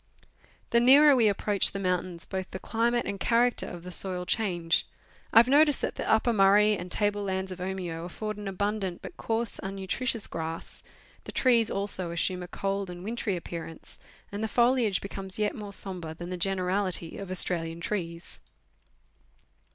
The nearer we approach the mountains both the climate and character of the soil change. I have noticed that the Upper Murray and table lands of Omeo afford an abundant, but coarse, unuutritious grass ; the trees also assume a cold and wintry appearance, and the foliage becomes yet more sombre than the generality of Australian trees. Letters from Victorian Pioneers.